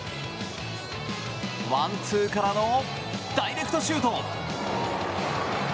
ワンツーからのダイレクトシュート。